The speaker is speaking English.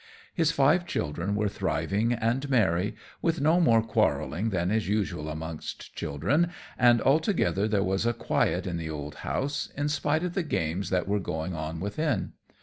His five children were thriving and merry, with no more quarrelling than is usual amongst children, and altogether there was a quiet in the old house, in spite of the games that were going on within.